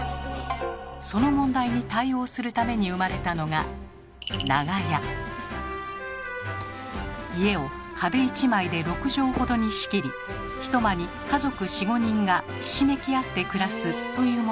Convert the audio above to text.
その問題に対応するために生まれたのが家を壁１枚で６畳ほどに仕切り一間に家族４５人がひしめき合って暮らすというものでした。